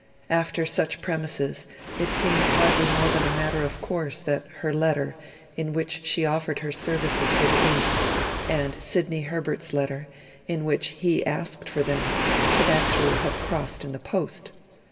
After such premises, it seems hardly more than a matter of course that her letter, in which she offered her services for the East, and Sidney Herbert's letter, in which he asked for them, should actually have crossed in the post.